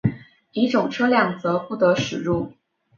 乙种车辆则不得驶入。